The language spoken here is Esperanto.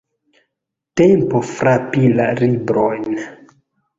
Tempo frapi la librojn!